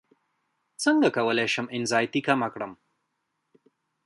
څنګه کولی شم انزیتي کمه کړم